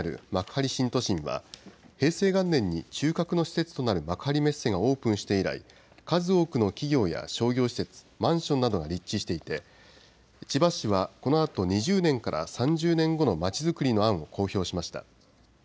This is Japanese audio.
千葉市美浜区にある幕張新都心は、平成元年に中核の施設となる幕張メッセがオープンして以来、数多くの企業や商業施設、マンションなどが立地していて、千葉市はこのあと２０年から３０年後のまちづくりの案を公表しました。